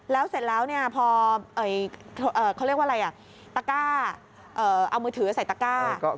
แล้วเสร็จแล้วพอตะก้าเอามือถือใส่ตะก้า